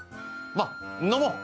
まっ飲もう！